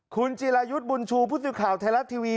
คุณจิรายุทธ์บุญชูพุทธิข่าวไทยรัตน์ทีวี